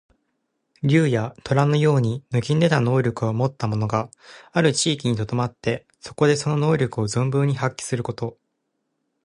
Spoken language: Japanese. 竜や、とらのように抜きんでた能力をもった者がある地域にとどまって、そこでその能力を存分に発揮すること。